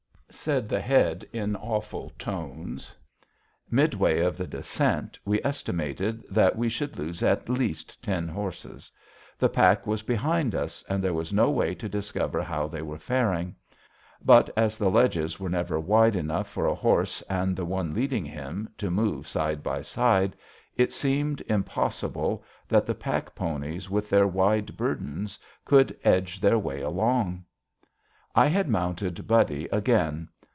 _" said the Head, in awful tones. Midway of the descent, we estimated that we should lose at least ten horses. The pack was behind us, and there was no way to discover how they were faring. But as the ledges were never wide enough for a horse and the one leading him to move side by side, it seemed impossible that the pack ponies with their wide burdens could edge their way along. [Illustration: Watching the pack train coming down at Cascade Pass] I had mounted Buddy again.